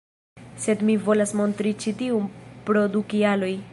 Sed mi volas montri ĉi tiun pro du kialoj